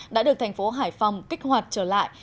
đã được thành phố hải phòng kích hoạt trở lại